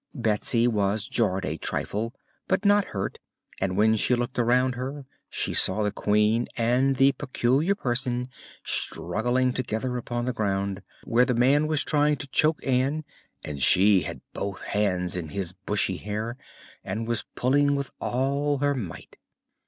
Betsy was jarred a trifle but not hurt and when she looked around her she saw the Queen and the Peculiar Person struggling together upon the ground, where the man was trying to choke Ann and she had both hands in his bushy hair and was pulling with all her might.